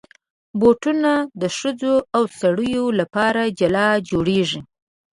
بوټونه د ښځو او سړیو لپاره جلا جوړېږي.